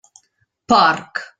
Porc!